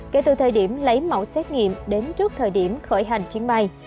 kể từ thời điểm lấy mẫu xét nghiệm đến trước thời điểm khởi hành chuyến bay